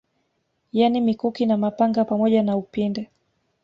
Yani mikuki na mapanga pamoja na upinde